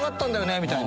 みたいな。